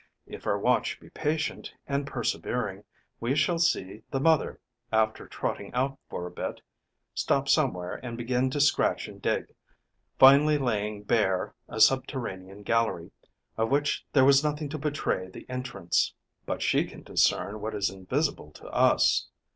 If our watch be patient and persevering, we shall see the mother, after trotting about for a bit, stop somewhere and begin to scratch and dig, finally laying bare a subterranean gallery, of which there was nothing to betray the entrance; but she can discern what is invisible to us.